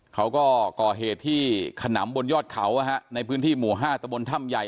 เขาก็ก่อเหตุที่ขนำบนยอดเขาในพื้นที่หมู่๕ตะบนถ้ำใหญ่